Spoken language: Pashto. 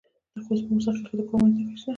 د خوست په موسی خیل کې د کرومایټ نښې شته.